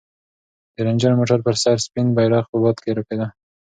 د رنجر موټر پر سر سپین بیرغ په باد کې رپېده.